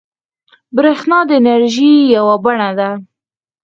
بریښنا د انرژۍ یوه بڼه ده